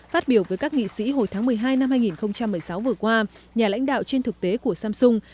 phát biểu với các nghị sĩ hồi tháng một mươi hai năm hai nghìn một mươi sáu vừa qua nhà lãnh đạo trên thực tế của samsung